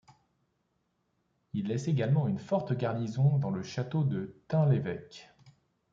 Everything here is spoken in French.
Il laisse également une forte garnison dans le château de Thun-l'Évêque.